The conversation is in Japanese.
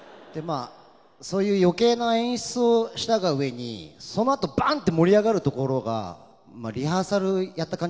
そういう余計な演出をしたがうえにそのあとバンと盛り上がるところがリハーサルやった感じ